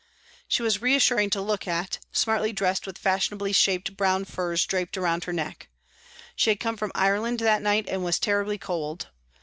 She was reassuring to look at, smartly dressed with fashion ably shaped brown furs draped round her neck. She had come from Ireland that night and was terribly cold.